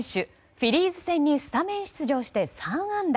フィリーズ戦にスタメン出場して３安打。